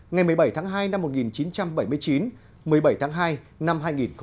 ngày một mươi bảy tháng hai năm một nghìn chín trăm bảy mươi chín một mươi bảy tháng hai năm hai nghìn một mươi chín